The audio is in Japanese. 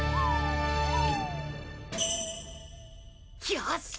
よし！